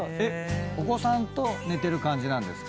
お子さんと寝てる感じですか？